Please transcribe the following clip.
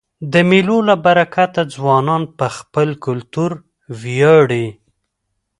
د مېلو له برکته ځوانان په خپل کلتور وياړي.